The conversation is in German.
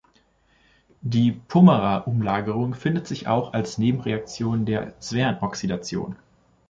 Die Pummerer-Umlagerung findet sich auch als Nebenreaktion der Swern-Oxidation.